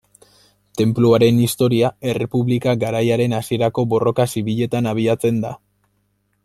Tenpluaren historia, Errepublika garaiaren hasierako borroka zibiletan abiatzen da.